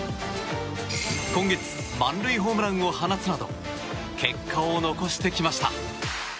今月、満塁ホームランを放つなど結果を残してきました。